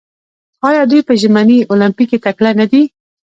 آیا دوی په ژمني المپیک کې تکړه نه دي؟